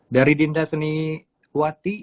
dari dinda seniwati